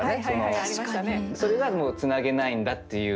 それがもうつなげないんだっていう。